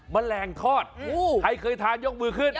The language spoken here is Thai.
แมลงทอดใครเคยทานยกมือขึ้น